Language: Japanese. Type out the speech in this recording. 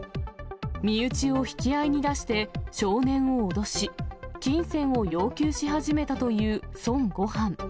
身内を引き合いに出して、少年を脅し、金銭を要求し始めたという孫悟飯。